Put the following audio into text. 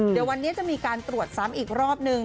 เดี๋ยววันนี้จะมีการตรวจซ้ำอีกรอบนึง